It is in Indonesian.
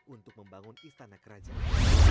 untuk membangun istana kerajaan